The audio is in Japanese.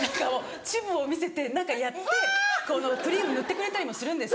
恥部を見せて何かやってクリーム塗ってくれたりもするんです。